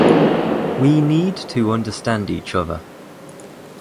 We need to understand each other.